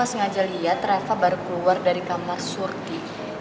mas sengaja liat reva baru keluar dari kamar surti